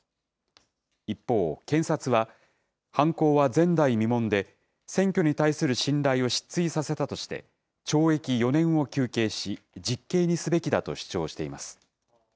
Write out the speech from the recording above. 一方、検察は犯行は前代未聞で、選挙に対する信頼を失墜させたとして、懲役４年を求刑し、実刑にすべきだと主張しています。